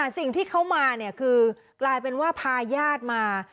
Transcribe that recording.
สิ่งที่เขามาเนี่ยคือกลายเป็นว่าพาญาติมา